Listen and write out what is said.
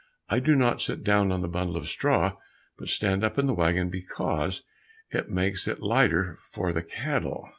I do not sit down on the bundle of straw, but stand up in the waggon, because it makes it lighter for the cattle."